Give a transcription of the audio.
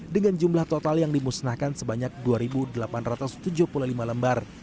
dengan jumlah total yang dimusnahkan sebanyak dua delapan ratus tujuh puluh lima lembar